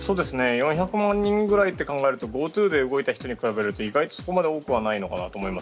４００万人ぐらいと考えるとＧｏＴｏで動いた人と比べると意外とそこまで多くはないのかなと思います。